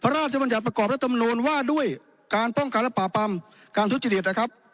พระราชยบรรยัตภ์ประกอบให้ตำนวนว่าด้วยการป้องการรับประปับปรรับการทดจิตฐานครับ